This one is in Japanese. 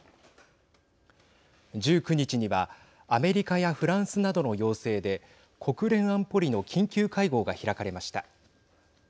１９日には、アメリカやフランスなどの要請で国連安保理の緊急会合が開かれました。